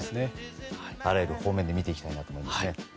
あらゆる方面で見ていきたいと思います。